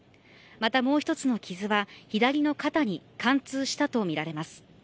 またもう１つの傷は左の肩に貫通したとみられます。